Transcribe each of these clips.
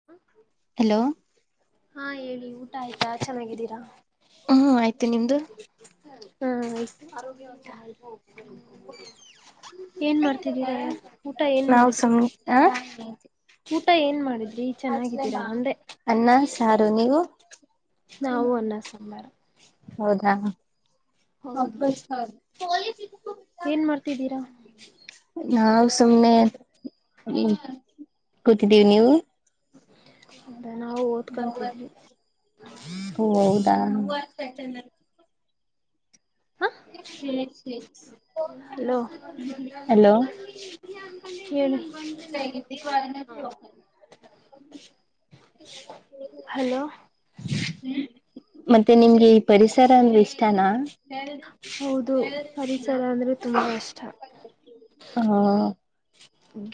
[unintelligible] Hello ಹಾ ಹೇಳಿ ಊಟ ಆಯ್ತಾ ಚೆನ್ನಾಗಿದ್ದೀರಾ. ಹೂ ಆಯ್ತ್. [unintelligible] ಏನ್ ಮಾಡ್ತಿದ್ದೀರಾ ಊಟ ಏನ್ ನಾವು ಮಾಡದ್ರಿ. ಸುಮ್ನೆ ಹ ಊಟ ಏನ್ ಮಾಡಿದ್ರಿ. ಚೆನ್ನಾಗಿದ್ದೀರಾ ಅಂದೆ ಅನ್ನ, ಸಾರು ನೀವು. ನಾವು ಅನ್ನ, ಸಾಂಬಾರ. ಹೌದಾ. ಹೌದು ಏನ್ ಮಾಡ್ತಿದ್ದೀರಾ. ನಾವು ಸುಮ್ನೆ ಕೂತಿದ್ದೀವಿ ನೀವು. ಅದ ನಾವು ಓದ್ಕೊಂತಿದ್ವಿ. ಓಹ್ ಹೌದಾ. ಹ ಹಲೋ. ಹಲೋ ಹೇಳು [unintelligible] ಹಲೋ ಮತ್ತೆ ನಿಮ್ಗೆ ಈ ಪರಿಸರ ಅಂದ್ರೆ ಇಷ್ಟನಾ. ಹೌದು ಪರಿಸರ ಅಂದ್ರೆ ತುಂಬಾ ಇಷ್ಟ. ಅ ಹ್ಮು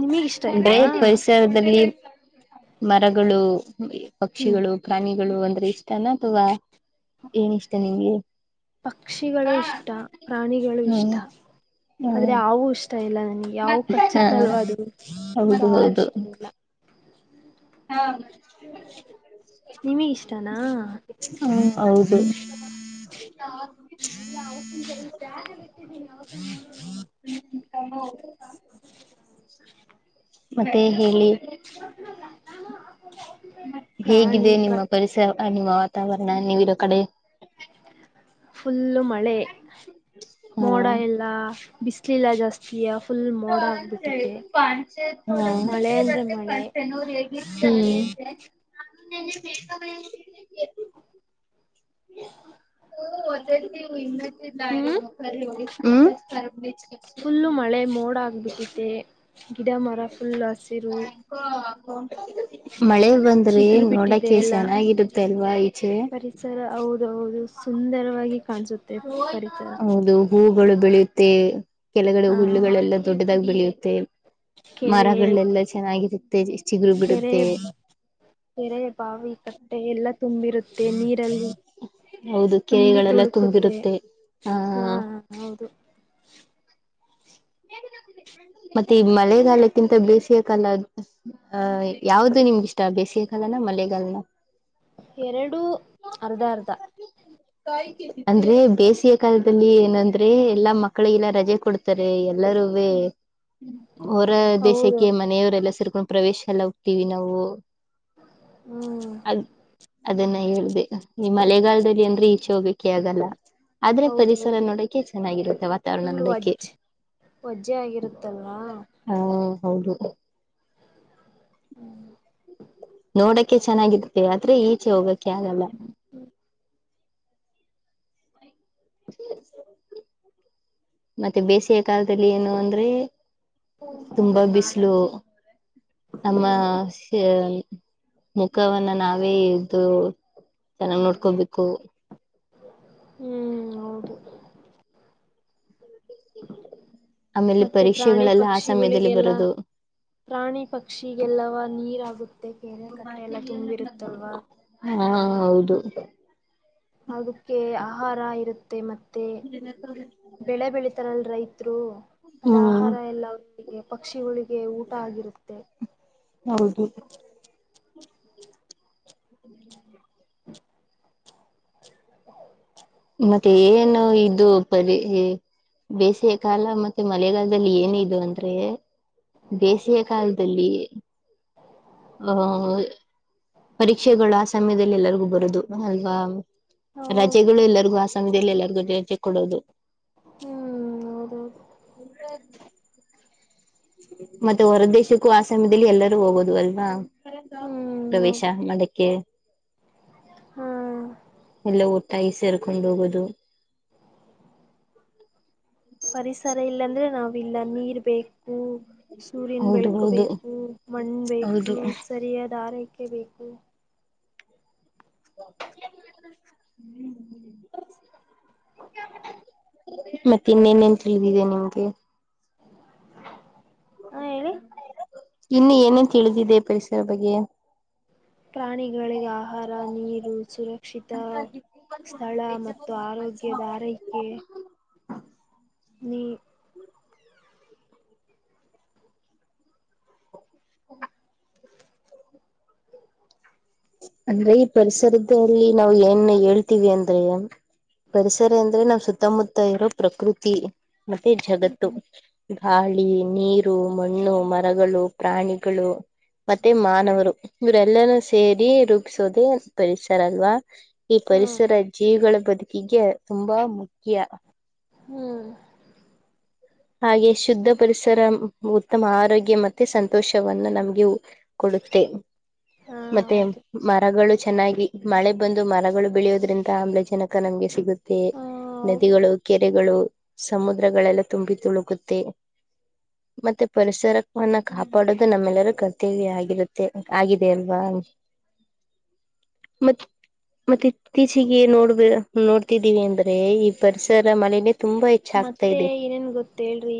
ನಿಮಗ್ ಇಷ್ಟ ಇಲ್ವಾ ದಲ್ಲಿ ಮರಗಳು, ಹ್ಮ್ ಪಕ್ಷಿಗಳು ಪ್ರಾಣಿಗಳು ಅಂದ್ರೆ ಇಷ್ಟನಾ ಅಥವಾ ಏನಿಷ್ಟ ನಿಂಗೆ. ಪಕ್ಷಿಗಳು ಇಷ್ಟ, ಪ್ರಾಣಿಗಳು ಹ್ಮ್ ಇಷ್ಟ ಆದ್ರೆ ಹ್ಮ್ ಹಾವು ಇಷ್ಟ ಇಲ್ಲ ನಂಗೆ. ಯಾವ ಕಚ್ಚುತಲ್ವ ಹ ಅದು ಹೌದು ಯಾವು ಇಷ್ಟ ಇಲ್ಲ. ಹಾ ಮ [unintelligible] ನಿಮಗಿಷ್ಟನಾ ಹೌದು ಇಲ್ಲ [unintelligible] ಈ ಬ್ಯಾಗಲ್ಲಿ ಇಟ್ಟಿದೀನಿ [unintelligible] ಹ್ಮು [unintelligible] ಮತ್ತೆ ಹೇಳಿ. [unintelligible] ಪ್ರಾಣಿ ಹೇಗಿದೆ ಪ್ರ ನಿಮ್ಮ ಪರಿಸರ, ನಿಮ್ಮ ವಾತಾವರಣ ನೀವಿರೋ ಕಡೆ. ಫುಲ್ಲು ಮಳೆ, ಮೋಡ ಹ್ಮ್ ಎಲ್ಲ ಬಿಸ್ಲಿಲ್ಲಾ ಜಾಸ್ತಿ ಫುಲ್ ಮೋಡ ಆಗ್ಬಿಟ್ಟಿತ್ತೆ ಮಳೆ ಅಂದ್ರೆ ಮಳೆ. ಹ್ಮು ಹ್ಮ್ [unintelligible] ಹ್ಮು ಫುಲ್ಲು ಮಳೆ ಮೋಡಾಗ್ಬಿಟ್ಟೆ ಗಿಡ, ಮರ ಫುಲ್ ಹಸಿರು ಮಳೆ ಬಂದ್ರೆ ಚಿಗುರು ಬಿಟ್ಟಿದೆ ನೋಡಕೆ ಚೆನ್ನಾಗಿರುತ್ತೆ ಅಲ್ವಾ ಈಚೆ. ಸರ ಹೌದ್ ಹೌದು ಸುಂದರವಾಗಿ ಕಾಣಸು ಹೌದು ಹೂಗಳು ಬೆಳೆಯುತ್ತೆ ಕೆಳ್ಗಡೆ ಹಾ ಹುಲ್ಲುಗಳೆಲ್ಲ ದೊಡ್ಡದಾಗಿ ಬೆಳೆಯುತ್ತೆ ಕೆರೆ ಮರಗಳೆಲ್ಲ ಚೆನ್ನಾಗಿರುತ್ತೆ ಚಿಗುರು ಕೆರೆ ಬಿಡುತ್ತೆ ಕೆರೆ ಬಾವಿ ಕಟ್ಟೆ ಎಲ್ಲ ತುಂಬಿರುತ್ತೆ ನೀರಲ್ಲಿ ಹೌದು ತುಂಬಿ ಕೆರೆಗಳೆಲ್ಲ ತುಳುಕುತ್ತೆ ತುಂಬಿರುತ್ತೆ ಆ ಹಾ ಹೌದು ಮತ್ತೆ ಈ ಮಳೆಗಾಲಕ್ಕಿಂತ ಬೇಸಿಗೆ ಕಾಲ ಹ ಯಾವ್ದು ನಿಮ್ಗ ಇಷ್ಟ ಬೇಸಿಗೆ ಕಾಲನ ಮಳೆಗಾಲನ ಎರಡು ಅರ್ಧ ಅರ್ಧ [unintelligible] ಅಂದ್ರೆ ಬೇಸಿಗೆ ಕಾಲದಲ್ಲಿ ಏನಂದ್ರೆ ಎಲ್ಲಾ ಮಕ್ಕಳಿಗೆಲ್ಲ ರಜೆ ಕೊಡ್ತಾರೆ ಎಲ್ಲರುವೆ ಹೊರ ದೇಶಕ್ಕೆ ಹೌದೌದು ಮನೆಯವರೆಲ್ಲ ಸೇರ್ಕೊಂಡ ಪ್ರವೇಶ ಎಲ್ಲ ಹೋಗ್ತೀವಿ ನಾವು ಹ್ಮ್ ಅದನ್ನೇ ಹೇಳ್ದೆ ಈ ಮಳೆಗಾಲದಲ್ಲಿ ಅಂದ್ರೆ ಈಚೆ ಹೋಗಕ್ಕೆ ಆಗಲ್ಲ ಆದ್ರೆ ಪರಿಸರ ಹೌದೌದು ನೋಡಕೆ ಚೆನ್ನಾಗಿರುತ್ತೆ ವಾತಾವರಣ ಫುಲ್ ನೋಡಕ್ಕೆ ವಜ್ ವಜ್ಜೆ ಆಗಿರುತ್ತಲ್ವಾ ಹ್ಮ್ ಹೌದು ಹ್ಮ್ ನೋಡಕ್ಕೆ ಚೆನ್ನಾಗಿರ್ತ್ತೆ ಆದ್ರೆ ಈಚೆ ಹೋಗಕ್ಕೆ ಆಗಲ್ಲ ಮತ್ತೆ ಬೇಸಿಗೆ ಕಾಲದಲ್ಲಿ ಏನು ಅಂದ್ರೆ ತುಂಬಾ ಬಿಸಿಲು ನಮ್ಮ [unintelligible] ಮುಖವನ್ನ ನಾವೇ ಎದ್ದು ಚೆನ್ನಾಗ್ ನೋಡ್ಕೋಬೇಕು ಹ್ಮ್ ಹೌದು ಆಮೇಲೆ ಮತ್ತೆ ಪ್ರಾಣಿ ಪರೀಕ್ಷೆಗಳೆಲ್ಲ ಆ ಸಮಯದಲ್ಲಿ ಪಕ್ಷಿಗಳಿಗೆಲ್ಲ ಬರೋದು ಪ್ರಾಣಿ ಪಕ್ಷಿಗೆಲ್ಲ ನೀರಾಗುತ್ತೆ ಕೆರೆ ಕಟ್ಟೆ ಎಲ್ಲ ತುಂಬಿರುತ್ತಲ್ವ ಹಾ ಹೌದು ಅದಕ್ಕೆ ಆಹಾರ ಇರುತ್ತೆ ಮತ್ತೆ ಬೆಳೆ ಬೆಳಿತರಲ್ಲಿ ರೈತ ರೈತರು ಅದು ಹ್ಮ್ ಆಹಾರ ಎಲ್ಲ ಅವಿಗೆ ಪಕ್ಷಿಗಳಿಗೆ ಊಟ ಆಗಿರುತ್ತೆ ಹೌದು [inaudible] ಮತ್ತೆ ಏನು ಇದು ಪರಿ ಬೇಸಿಗೆ ಕಾಲ ಮತ್ತೆ ಮಳೆಗಾಲದಲ್ಲಿ ಏನ ಇದು ಅಂದ್ರೆ ಬೇಸಿಗೆ ಕಾಲದಲ್ಲಿ ಅ ಪರೀಕ್ಷೆಗಳು ಆ ಸಮಯದಲ್ಲಿ ಎಲ್ಲರಿಗು ಬರೋದು ಅಲ್ವಾ ಹೌದು ರಜೆಗಳು ಎಲ್ಲರಿಗು ಆ ಸಮಯದಲ್ಲಿ ಎಲ್ಲರಿಗು ರಜೆ ಕೊಡೋದು ಹ್ಮ್ ಹೌದೌದು [unintelligible] [inaudible] ಮತ್ತೆ ಹೊರ ದೇಶಕ್ಕೂ ಆ ಸಮಯದಲ್ಲಿ ಎಲ್ಲರೂ ಹೋಗೋದು ಅಲ್ವಾ ಹ್ಮ್ ಪ್ರವೇಶ ಹೌದು ಮದಕ್ಕೆ ಹ್ಮ್ ಎಲ್ಲ [unintelligible] ಐ ಸೇರ್ಕೊಂಡ್ ಹೋಗೋದು ಪರಿಸರ ಇಲ್ಲಾಂದ್ರೆ ನಾವ್ ಇಲ್ಲ ನೀರ್ ಬೇಕು ಸೂರ್ಯನ ಹೌದು ಬೆಳಕು ಹೌದು ಬೇಕು ಮಣ್ ಹೌದು ಬೇಕು ಸರಿಯಾದ ಆರೈಕೆ ಬೇಕು [inaudible] ಮತ್ತೆ ಇನ್ನೇನೆನ್ ತಿಳಿದಿದೆ ನಿಮ್ಗೆ ಹಾ ಹೇಳಿ ಇನ್ನು ಏನೇನ್ ತಿಳಿದಿದೆ ಪರಿಸರ ಬಗ್ಗೆ ಪ್ರಾಣಿಗಳಿಗೆ ಆಹಾರ ನೀರು [unintelligible] ಕ್ಷಿತ ಸ್ಥಳ ಮತ್ತು ಆರೋಗ್ಯದ ಆರೈಕೆ ನೀ [inaudible] ಅಂದ್ರೆ ಈ ಪರಿಸರದಲ್ಲಿ ನಾವು ಏನ್ ಹೇಳ್ತೀವಿ ಅಂದ್ರೆ ಪರಿಸರ ಅಂದ್ರೆ ನಾವ್ ಸುತ್ತಮುತ್ತ ಇರೋ ಪ್ರಕೃತಿ ಮತ್ತೆ ಜಗತ್ತು ಗಾಳಿ ನೀರು ಮಣ್ಣು ಮರಗಳು ಪ್ರಾಣಿಗಳು ಮತ್ತೆ ಮಾನವರು ಇವರೆಲ್ಲಾನೂ ಸೇರಿ ರೂಪಿಸೋದೆ ಪರಿಸರ ಅಲ್ವಾ ಈ ಹಾ ಪರಿಸರ ಜೀವಿಗಳ ಬದುಕಿಗೆ ತುಂಬಾ ಮುಖ್ಯ ಹ್ಮ್ ಹಾಗೆ ಶುದ್ಧ ಪರಿಸರ ಉತ್ತಮ ಆರೋಗ್ಯ ಮತ್ತೆ ಸಂತೋಷವನ್ನ ನಮ್ಗೆ ಕೊಡುತ್ತೆ ಹಾ ಮತ್ತೆ ಹೌದು ಮರಗಳು ಚೆನ್ನಾಗಿ. ಮಳೆ ಬಂದು ಮರಗಳು ಬೆಳಿಯೋದ್ರಿಂದ ಆಮ್ಲಜನಕ ನಮ್ಗೆ ಸಿಗುತ್ತೆ. ಆ ನದಿಗಳು ಕೆರೆಗಳು ಸಮುದ್ರಗಳೆಲ್ಲ ತುಂಬಿ ತುಳುಕುತ್ತೆ. [inaudible] ಮತ್ತೆ ಪರಿಸರವನ್ನ ಕಾಪಾಡೋದು ನಮ್ಮೆಲ್ಲರೂ ಕರ್ತವ್ಯ ಆಗಿರುತ್ತೆ ಆಗಿದೆ ಅಲ್ವಾ [inaudible] ಮತ್ ಮತ್ತೆ ಇತ್ತೀಚಿಗೆ ನೋಡ್ಬ ನೋಡ್ತಿದ್ದೀವಿ ಅಂದ್ರೆ ಈ ಪರಿಸರ ಮಾಲಿನ್ಯ ಮತ್ತೆ ಏನ್ ಗೊತ್ತೇಳ್ರಿ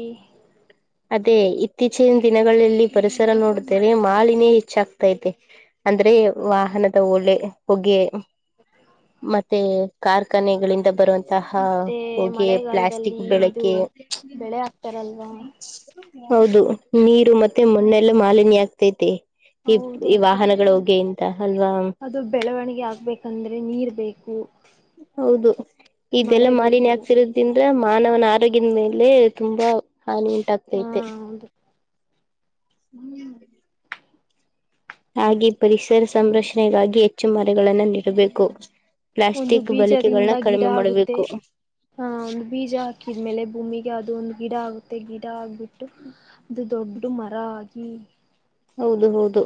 ಅದೇ ಇತ್ತೀಚಿನ ದಿನಗಳಲ್ಲಿ ಪರಿಸರ ನೋಡಿದರೆ ಮಾಲಿನ್ಯ ಹೆಚ್ಚಾಗ್ತೈತೆ ಅಂದ್ರೆ ವಾಹನದ ಒಳ್ಳೆ ಹೊಗೆ ಮತ್ತೆ ಕಾರ್ಖಾನೆಗಳಿಂದ ಬರುವಂತ ತಹ ಮತ್ತೆ ಹೊಗೆ ಪ್ಲಾಸ್ಟಿಕ್ ಮಳೆಗಾಲದಲ್ಲಿ ಇದು ಬೆಳಕೆ ಬೆಳೆ ಹಾಕ್ತಾರಲ್ವಾ ಹೌದು ನೀರು ಮತ್ತೆ ಮಣ್ಣೆಲ್ಲ ಮಾಲಿನ್ಯ ಆಗ್ತೈತೆ ಈದ್ ಈ ಹೌದೌದು ವಾಹನಗಳ ಹೊಗೆಯಿಂತ ಅಲ್ವಾ ಅದು ಬೆಳವಣಿಗೆ ಆಗ್ಬೇಕಂದ್ರೆ ನೀರ್ ಬೇಕು. ಹೌದು ಇದೆಲ್ಲ ಮಳೆ ಮಾಲಿನ್ಯ ಬೇಕು ಆಗ್ತಿರದು. ಇಂದ್ರೆ ಮಾನವನ ಆರೋಗ್ಯದ ಮೇಲೆ ತುಂಬಾ ಹಾನಿ ಹಾ ಉಂಟಾಗ್ತೈತೆ ಹೌದು ಹ್ಮ್ ಹಾಗೆ ಪರಿಸರ ಸಂರಕ್ಷಣೆಗಾಗಿ ಹೆಚ್ಚು ಮರಗಳನ್ನ ನೀಡಬೇಕು ಒಂದು ಪ್ಲಾಸ್ಟಿಕ್ ಬೀಜದಿಂದ ಬಳಿಕೆಗಳನ್ನ ಗಿಡ ಕಡಿಮೆ ಆಗುತ್ತೆ ಮಾಡಬೇಕು ಹ ಒಂದ್ ಬೀಜ ಹಾಕಿದ್ಮೇಲೆ ಭೂಮಿಗೆ ಅದು ಒಂದ್ ಗಿಡ ಆಗುತ್ತೆ ಗಿಡ ಹಾಕ್ಬಿಟ್ಟು ಅದು ದೊಡ್ದು ಮರ ಆಗಿ ಹೌದು ಹೌದು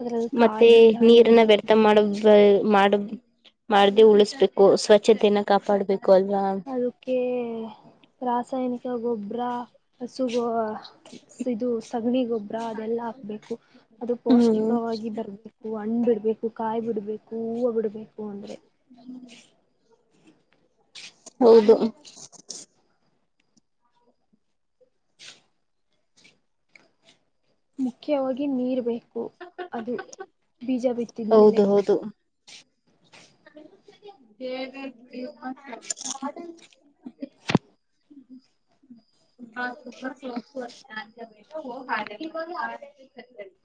ಅದ್ರಲ್ಲಿ ಮತ್ತೆ ಕಾಯಿ ನೀರನ್ನ ಹಣ್ಣು ವ್ಯರ್ಥ ಮಾಡೊದು ಮಾಡ ಮಾಡ್ದೇ ಉಳಿಸ್ಬೇಕು ಸ್ವಚ್ಛತೆನ ಕಾಪಾಡ್ಬೇಕು ಅಲ್ವಾ ಅದುಕ್ಕೆ ರಾಸಾಯನಿಕ ಗೊಬ್ಬರ ಹಸು ಇದು ಸಗಣಿ ಗೊಬ್ಬರ ಅದೆಲ್ಲ ಹಾಕ್ಬೇಕು ಅದು ಪೌಷ್ಟಿಕವಾಗಿ ಬರ್ಬೇಕು. [unintelligible] ಹಣ್ಣ್ ಬಿಡ್ಬೇಕು ಕಾಯಿ ಬಿಡ್ಬೇಕು ಹೂವು ಬಿಡ್ಬೇಕು ಅಂದ್ರೆ. [inaudible] ಹೌದು ಮುಖ್ಯವಾಗಿ ನೀರ್ ಬೇಕು ಅದು ಬೀಜ ಬಿತ್ತಿದ ಮೇಲೆ. ಹೌದು ಹೌದು [unintelligible] [unintelligible]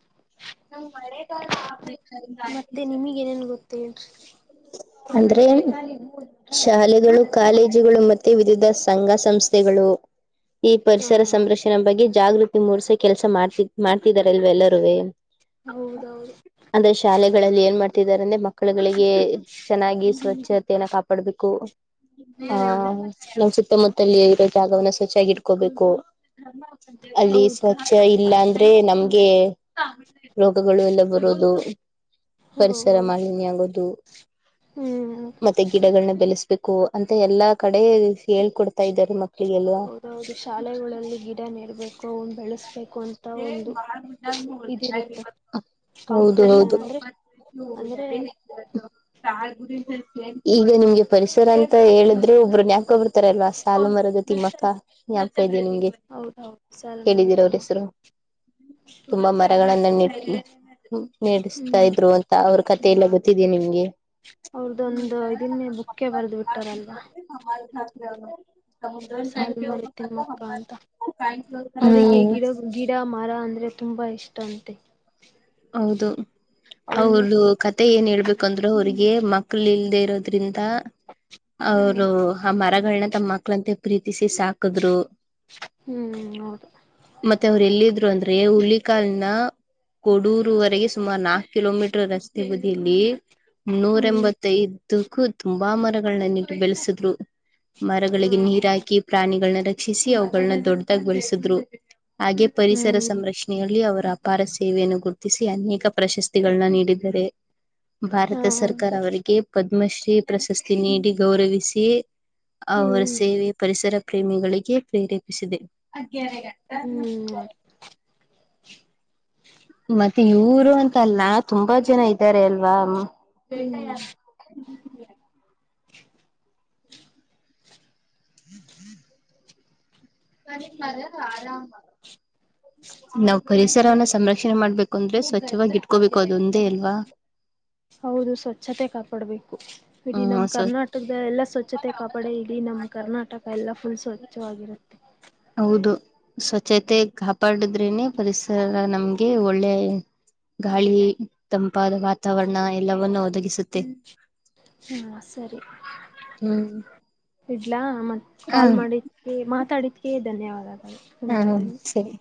[unintelligible] ಮತ್ತೆ ನಿಮಗ್ ಏನೇನ್ ಗೊತ್ತ [unintelligible] ಅಂದ್ರೆ ಹ ಶಾಲೆಗಳು, ಕಾಲೇಜುಗಳು ಮತ್ತೆ ವಿದಿಧ ಸಂಘ ಸಂಸ್ಥೆಗಳು. ಈ ಹಾ ಪರಿಸರ ಸಂರಕ್ಷಣೆ ಬಗ್ಗೆ ಜಾಗೃತಿ ಮೂಡಸೊ ಕೆಲ್ಸ ಮಾಡ್ತ ಮಾಡ್ತಿದಾರಲ್ವೆ ಎಲ್ಲರೂವೆ. ಹೌದ್ ಹೌದು. ಅಂದ್ರೆ ಶಾಲೆಗಳಲ್ಲಿ ಏನ್ ಮಾಡ್ತಿದಾರ ಅಂದ್ರೆ ಮಕ್ಕಳುಗಳಿಗೆ ಚೆನ್ನಾಗಿ ಹ್ಮ್ ಸ್ವಚ್ಛತೆಯನ್ನ ಕಾಪಾಡ್ಬೇಕು. ಆ ಹ್ಮ್ ನಮ್ ಸುತ್ತ ಮುತ್ತಲ ಇರೋ ಜಾಗವನ್ನ ಸ್ವಚ್ಚಾಗಿ ಇಟ್ಕೋಬೇಕು. ಅಲ್ಲಿ ಹೌದು ಸ್ವ ಚ್ಚ ಇಲ್ಲ ಅಂದ್ರೆ ನಮ್ಗೆ ರೋಗಗಳು ಎಲ್ಲ ಬರೋದು. ಹ ಪರಿಸರ ಮಾಲಿನ್ಯ ಆಗೋದು. ಹ್ಮು ಮತ್ತೆ ಗಿಡಗಳನ್ನ ಬೆಳೆಸ್ಬೇಕು ಅಂತ ಎಲ್ಲಾ ಕಡೆ ಹೇಳ್ಕೊಡ್ತಾ ಇದ್ದಾರೆ ಮಕ್ಳಿಗೆಲ್ಲ. ಹೌದ್ ಹೌದು ಶಾಲೆಗಳಲ್ಲಿ ಗಿಡ ನೆಡ್ಬೇಕು ಅವನ್ ಬೆಳಸ್ಬೇಕು. ಇದಿರುತ್ತೆ ಹೌದು ಕಾಂಪಿಟೇಷನ್ ಹೌದು. ಅಂದ್ರೆ ಅಂದ್ರೆ [unintelligible] ಈಗ ನಿಮ್ಗೆ ಪರಿಸರ ಅಂತ ಹೇಳಿದ್ರು ಒಬ್ಬರು ನ್ಯಾಪಾಕ ಬರ್ತಾರಲ್ವಾ ಸಾಲ ಮರದ ತಿಮ್ಮಕ್ಕ. [unintelligible] ಇದ್ದೆ ನಿಮ್ಗೆ ಹೌದೌದು ಸಾಲುಮರ ಕೇಳಿದ್ದೀರ ಅವ್ರ ತಿಮ್ಮಕ್ಕ ಹೆಸರು. ತುಂಬಾ ಮರಗಳನ್ನೆಟ್ಟಿ ನೆಡಸ್ತಾ ಹ್ಮ್ ಇದ್ರು. [unintelligible] ಅಂತ ಅವ್ರ ಕಥೆ ಎಲ್ಲ ಗೊತ್ತಿದೆ ನಿಮ್ಗೆ. ಅವ್ರದ್ದೊಂದು ಇದನ್ನೆ ಬುಕ್ಕೆ ಬರದ್ ಬಿಟ್ಟಾರಲ್ವಾ. [unintelligible] ಸಾಲು ಮರದ ತಿಮ್ಮಕ್ಕ ಅಂತ ಅವರಿಗೆ ಹ್ಮ್ ಗಿಡ ಗಿಡ, ಮರ ಅಂದ್ರೆ ತುಂಬ ಇಷ್ಟ ಅಂತೆ. ಹೌದು ಅವನ್ನೇ ಅವರು [unintelligible] ಥೆ ಏನ್ ಹೇಳ್ಬೇಕುಂದ್ರೆ ಅವ್ರಿಗೆ ಮಕ್ಳ ಇಲ್ದೆ ಇರೋದ್ರಿಂದ ಹ್ಮ್ ಅವರು ಆ ಮರಗಳನ್ನ ತಮ್ಮ ಮಕ್ಳಂತೆ ಪ್ರೀತಿಸಿ ಸಾಕದ್ರು. ಹ್ಮ್ ಹೌದು ಮತ್ತೆ ಅವ್ರು ಎಲ್ಲಿದ್ರು ಅಂದ್ರೆ ಹುಲಿಕಾಲ್ನ ಕೊಡೂರುವರೆಗೆ ಸುಮಾರು ನಾಕ್ ಕಿಲೋಮೀಟರ್ ರಸ್ತೆ ಬದಿಯಲ್ಲಿ ನೂರ ಹ್ಮ್ ಎಂಬತ್ತ ಮತ್ತೆ ಇದ್ದಕ್ಕೂ ತುಂಬಾ ಮರಗಳನ್ನೆಟ್ಟು ಬೆಳೆಸಿದ್ರು ಮರಗಳಿಗೆ ನೀರ ಹ ಹಾಕಿ ಪ್ರಾಣಿಗಳನ್ನ ರಕ್ಷಿಸಿ ಅವುಗಳನ್ನ ದೊಡ್ದಾಗಿ ಬೆಳಸಿದ್ರು ಹಾಗೆ ಪರಿಸರ ಹ್ಮ್ ಸಂರಕ್ಷಣೆ ನೆಯಲ್ಲಿ ಅವರ ಅಪಾರ ಸೇವೆಯನ್ನು ಗುರುತಿಸಿ ಅನೇಕ ಪ್ರಶಸ್ತಿಗಳನ್ನ ನೀಡಿದ್ದಾರೆ. ಹಾ ಭಾರತ ಸರ್ಕಾರ ಹೌದು ಅವರಿಗೆ ಪದ್ಮಶ್ರೀ ಪ್ರಶಸ್ತಿ ನೀಡಿ ಗೌರವಿಸಿ ಅವರ ಹ್ಮ್ ಸೇವೆ ಪರಿಸರ ಪ್ರೇಮಿಗಳಿಗೆ ಪ್ರೇರೇಪಿಸಿದೆ. ಹ್ಮ್ ಮತ್ತೆ ಇವರು ಅಂತ ಅಲ್ಲ ತುಂಬಾ ಜನ ಇದ್ದಾರೆ ಅಲ್ವಾ. ಹ್ಮು [unintelligible] [unintelligible] [unintelligible] ನಾವ್ ಪರಿಸರವನ್ನ ಸಂರಕ್ಷಣೆ ಮಾಡ್ಬೇಕು ಅಂದ್ರೆ ಸ್ವಚ್ಚವಾಗಿ ಇಟ್ಕೋಬೇಕು ಅದೊಂದೆ ಅಲ್ವಾ. ಹೌದು ಸ್ವಚ್ಚತೆ ಕಾಪಾಡ್ಬೇಕು ಇಡೀ ಹ್ಮ ನಮ್ಮ್ ಸ್ವ ಕರ್ನಾಟಕ [unintelligible] ಎಲ್ಲ ಸ್ವಚ್ಚತೆ ಕಾಪಡಿ ಇಡೀ ನಮ್ಮ ಕರ್ನಾಟಕ ಎಲ್ಲ ಫುಲ್ ಸ್ವಚ್ಚವಾಗಿರುತ್ತೆ. ಹೌದು, ಸ್ವಚ್ಛತೆ ಕಾಪಾಡಿದ್ರೇನೆ ಪರಿಸರ ನಮ್ಗೆ ಒಳ್ಳೆ- ಗಾಳಿ ತಂಪಾದ ವಾತಾವರಣ ಎಲ್ಲವವನ್ನು ಒದಗಿಸುತ್ತೆ. ಹಾ, ಸರಿ ಹ್ಮ್ ಇಡ್ಲಾ ಮತ್ತ್ ಹ ಕಾಲ್ ಮಾಡಿ ನೀವು ಮಾತಾಡೋದಕ್ಕೆ ಧನ್ಯವಾದಗಳು ನಿಮ್ಮ ಹಾ, ಜೊತೆಲಿ ಸರಿ